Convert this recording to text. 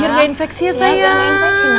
gak ada infeksi ya sayang